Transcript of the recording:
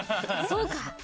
そうか。